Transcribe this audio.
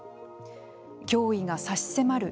脅威が差し迫る